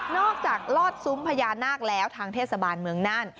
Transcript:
จากลอดซุ้มพญานาคแล้วทางเทศบาลเมืองน่าน